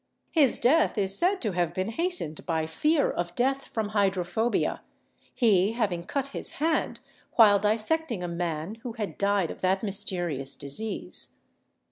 His death is said to have been hastened by fear of death from hydrophobia, he having cut his hand while dissecting a man who had died of that mysterious disease.